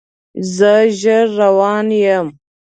زه ژر روان یم